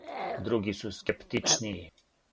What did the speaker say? Други су скептичнији.